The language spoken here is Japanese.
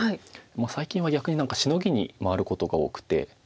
最近は逆にシノギに回ることが多くて。